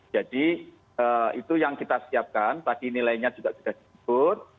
jadi itu yang kita siapkan tadi nilainya juga sudah dikutur